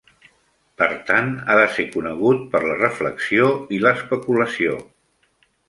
Per tant, ha de ser conegut per la reflexió i l'especulació.